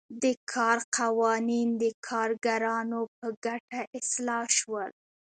د کار قوانین د کارګرانو په ګټه اصلاح شول.